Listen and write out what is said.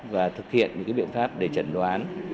và thực hiện những biện pháp để chẩn đoán